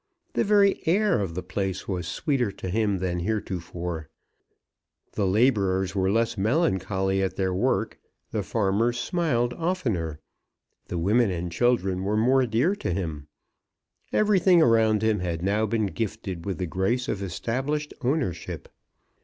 The very air of the place was sweeter to him than heretofore. The labourers were less melancholy at their work. The farmers smiled oftener. The women and children were more dear to him. Everything around him had now been gifted with the grace of established ownership.